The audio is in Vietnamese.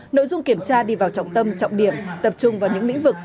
nội dung kiểm tra đi vào trọng tâm trọng điểm tập trung vào những lĩnh vực